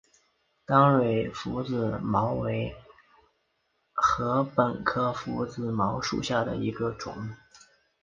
单蕊拂子茅为禾本科拂子茅属下的一个种。